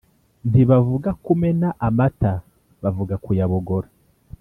Ntibavuga kumena amata bavuga kuyabogora